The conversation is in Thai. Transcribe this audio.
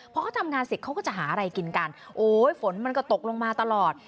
พอเขาทำงานเสร็จเขาก็จะหาอะไรกินกันโอ้ยฝนมันก็ตกลงมาตลอด